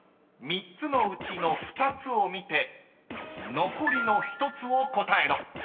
［３つのうちの２つを見て残りの１つを答えろ］